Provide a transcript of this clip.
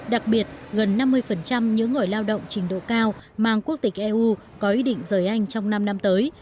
đặc biệt gần năm mươi những người lao động trình độ cao mang quốc tịch eu có ý định rời anh trong năm năm tới